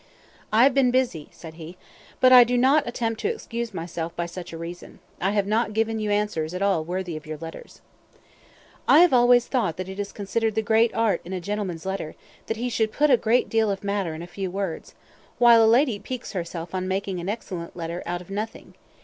"I have been busy," said he, "but I do not attempt to excuse myself by such a reason. I have not given you answers at all worthy of your letters." "I have always thought that it is considered the great art in a gentleman's letter that he should put a great deal of matter in few words, while a lady piques herself on making an excellent letter out of nothing.